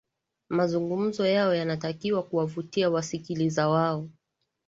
mazungumzo yao yanatakiwa kuwavutia wasikiliza wao